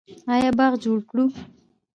آیا باغ جوړ کړو؟